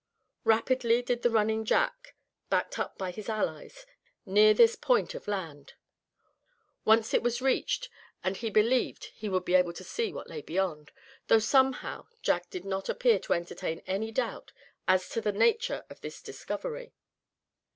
Rapidly did the running Jack, backed up by his allies, near this point of land. Once it was reached, and he believed he would be able to see what lay beyond; though somehow Jack did not appear to entertain any doubt as to the nature of this discovery.